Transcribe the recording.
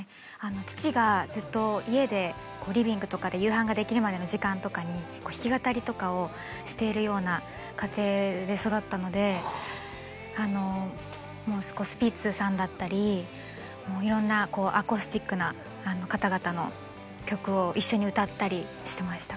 父がずっと家でリビングとかで夕飯ができるまでの時間とかに弾き語りとかをしているような家庭で育ったのでスピッツさんだったりもういろんなアコースティックな方々の曲を一緒に歌ったりしてました。